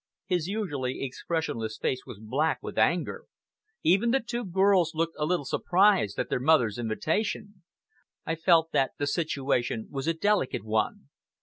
His usually expressionless face was black with anger. Even the two girls looked a little surprised at their mother's invitation. I felt that the situation was a delicate one.